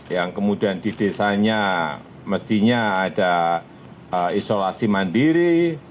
yang kemudian di desanya mestinya ada isolasi mandiri